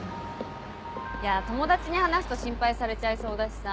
いや友達に話すと心配されちゃいそうだしさ。